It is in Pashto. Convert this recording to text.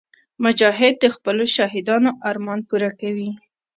مجاهد د خپلو شهیدانو ارمان پوره کوي.